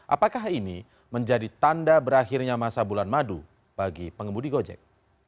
apakah ini menjadi tanda berakhirnya masa bulan madu bagi pengemudi gojek